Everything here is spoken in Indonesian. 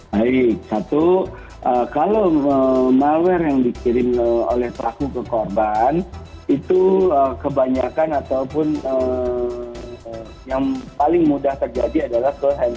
baik satu kalau malware yang dikirim oleh pelaku ke korban itu kebanyakan ataupun yang paling mudah terjadi adalah ke handphone